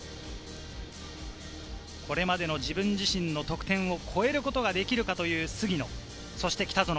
これまでの自分自身の得点を超えることができるかという杉野、そして北園。